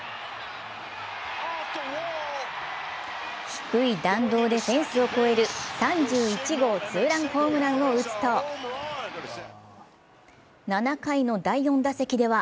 低い弾道でフェンスを越える３１号ツーランホームランを打つと７回の第４打席では